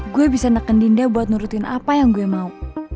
gue bisa neken dinda buat nurutin apa yang gue mau